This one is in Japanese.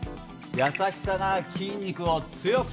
優しさが筋肉を強くする！